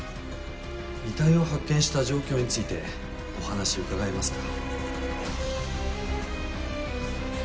遺体を発見した状況についてお話伺えますか？